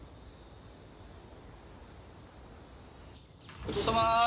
ごちそうさま。